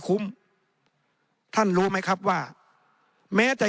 ในทางปฏิบัติมันไม่ได้